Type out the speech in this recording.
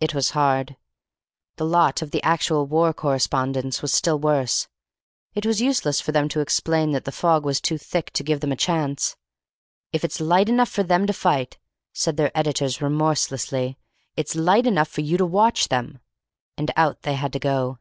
It was hard. The lot of the actual war correspondents was still worse. It was useless for them to explain that the fog was too thick to give them a chance. "If it's light enough for them to fight," said their editors remorselessly, "it's light enough for you to watch them." And out they had to go.